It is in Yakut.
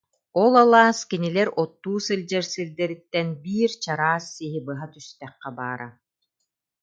Ол алаас кинилэр оттуу сылдьар сирдэриттэн биир чараас сиһи быһа түстэххэ баара